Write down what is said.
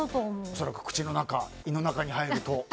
おそらく口の中胃の中に入ると。